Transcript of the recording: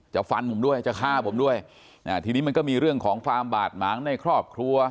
ฟันผมด้วยจะฆ่าผมด้วยอ่าทีนี้มันก็มีเรื่องของความบาดหมางในครอบครัว